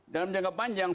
dalam jangka panjang